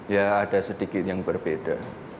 ya ada sedikit yang berbeda